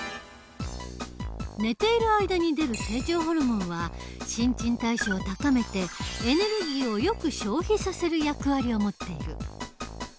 寝ている間に出る成長ホルモンは新陳代謝を高めてエネルギーをよく消費させる役割を持っている。